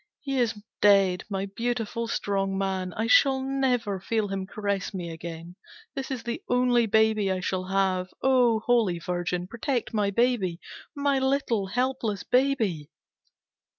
He is dead, my beautiful, strong man! I shall never feel him caress me again. This is the only baby I shall have. Oh, Holy Virgin, protect my baby! My little, helpless baby!